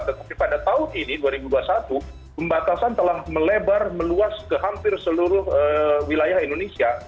tetapi pada tahun ini dua ribu dua puluh satu pembatasan telah melebar meluas ke hampir seluruh wilayah indonesia